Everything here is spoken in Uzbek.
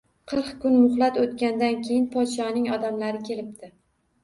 Qirq kun muhlat o‘tgandan keyin podshoning odamlari kelibdi